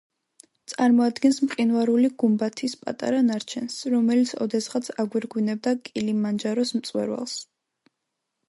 წარმოადგენს მყინვარული გუმბათის პატარა ნარჩენს, რომელიც ოდესღაც აგვირგვინებდა კილიმანჯაროს მწვერვალს.